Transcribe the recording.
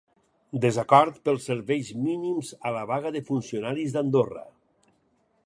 Desacord pels serveis mínims a la vaga de funcionaris d’Andorra.